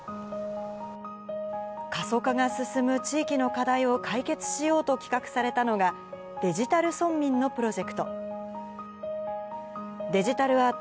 過疎化が進む地域の課題を解決しようと企画されたのが、デジタル村民のプロジェクト。